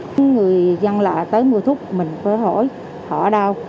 các người dân lạ tới mua thuốc mình phải hỏi họ ở đâu